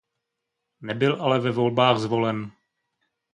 Nebyl ale ve volbách zvolen.